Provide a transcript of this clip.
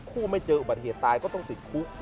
ไม่เจออุบัติเหตุตายก็ต้องติดคุก